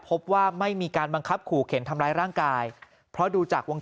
พบว่าไม่มีการบังคับขู่เข็นทำร้ายร่างกายเพราะดูจากวง